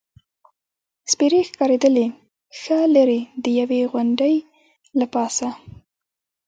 سپېرې ښکارېدلې، ښه لرې، د یوې غونډۍ له پاسه.